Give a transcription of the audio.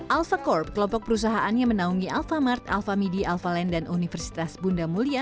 alfa corp kelompok perusahaan yang menaungi alphamart alphamidi alphaland dan universitas bunda mulia